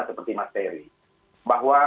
seperti mas ferry bahwa